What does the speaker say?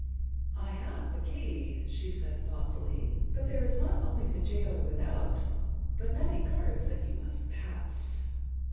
"I have the key," she said thoughtfully, "but there is not only the jailer without, but many guards that you must pass."